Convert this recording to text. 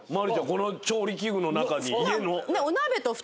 この調理器具の中に。